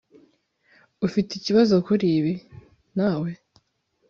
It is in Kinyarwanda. ufite ikibazo kuri ibi, nawe